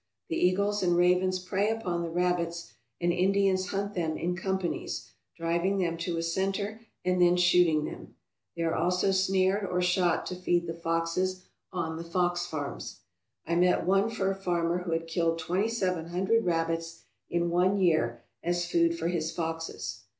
The eagles and ravens prey upon the rabbits, and Indians hunt them in companies, driving them to a centre and then shooting them. They are also snared or shot to feed the foxes on the fox farms. I met one fur farmer who had killed twenty seven hundred rabbits in one year as food for his foxes.